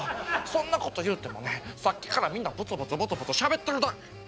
そんなこと言うてもねさっきからみんなブツブツブツブツしゃべってるだ。